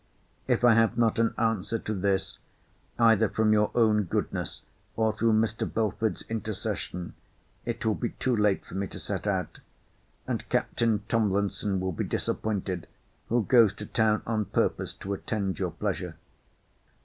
If I have not an answer to this, either from your own goodness, or through Mr. Belford's intercession, it will be too late for me to set out: and Captain Tomlinson will be disappointed, who goes to town on purpose to attend your pleasure.